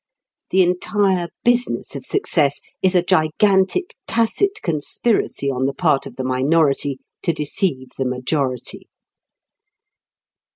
The entire business of success is a gigantic tacit conspiracy on the part of the minority to deceive the majority.